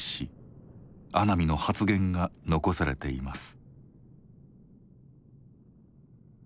阿南の発言が残されています。